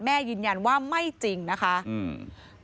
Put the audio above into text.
ยืนยันว่าไม่จริงนะคะอืม